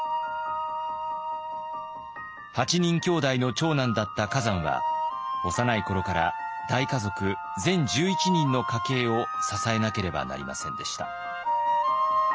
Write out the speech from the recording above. ８人きょうだいの長男だった崋山は幼い頃から大家族全１１人の家計を支えなければなりませんでした。